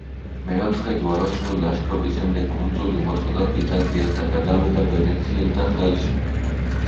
მეოთხე ჯვაროსნული ლაშქრობის შემდეგ კუნძული მოწყდა ბიზანტიას და გადავიდა ვენეციელთა ხელში.